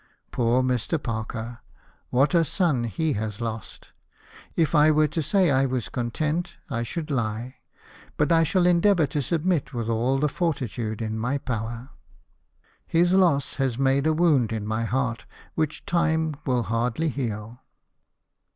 Poor Mr. Parker ! What a son has he lost ! If I were to say I was content I should lie ; but I shall endeavour to submit with all the fortitude in my power. His 266 LIFE OF NELSON. loss has made a wound in my heart which time will hardly heal."